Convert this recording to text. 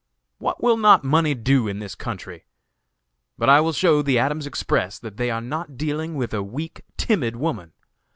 What will not money do in this country? But I will show the Adams Express that they are not dealing with a weak, timid woman.